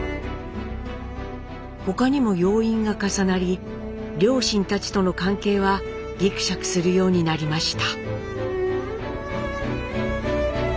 他にも要因が重なり両親たちとの関係はぎくしゃくするようになりました。